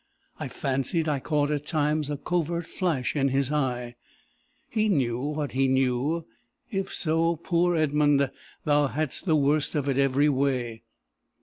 I fancied I caught at times a covert flash in his eye: he knew what he knew! If so, poor Edmund, thou hadst the worst of it every way!